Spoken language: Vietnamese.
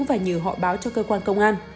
và nhờ họ báo cho cơ quan công an